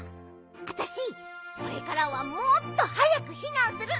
あたしこれからはもっとはやくひなんする。